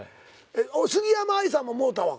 杉山愛さんももうたわ。